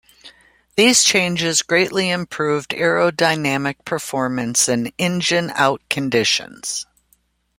These changes greatly improved aerodynamic performance in engine-out conditions.